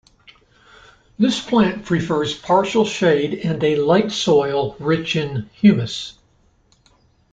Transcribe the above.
This plant prefers partial shade and a light soil, rich in humus.